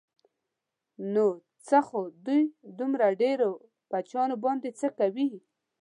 نو څه خو دوی دومره ډېرو بچیانو باندې څه کوي.